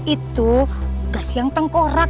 itu gas yang tengkorak